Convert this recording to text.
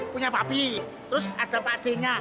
punya papi terus ada pak d nya